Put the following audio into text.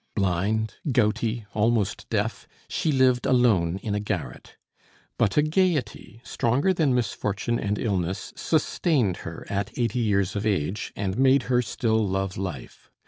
Blind, gouty, almost deaf, she lived alone in a garret; but a gayety, stronger than misfortune and illness, sustained her at eighty years of age, and made her still love life.